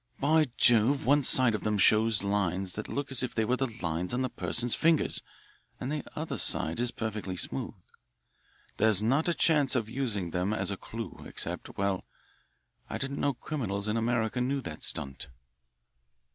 "By Jove, one side of them shows lines that look as if they were the lines on a person's fingers, and the other side is perfectly smooth. There's not a chance of using them as a clue, except well, I didn't know criminals in America knew that stunt."